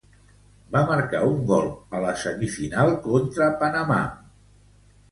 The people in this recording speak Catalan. Va marcar un gol a la semifinal contra Panamà.